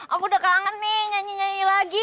aku udah kangen nih nyanyi nyanyi lagi